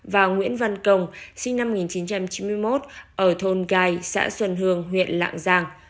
và nguyễn văn công sinh năm một nghìn chín trăm chín mươi một ở thôn gai xã xuân hương huyện lạng giang